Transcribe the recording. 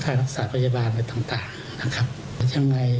รักษาพยาบาลอะไรต่างต่างนะครับแต่ยังไง